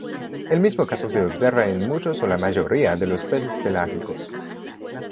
El mismo caso se observa en muchos o la mayoría de los peces pelágicos.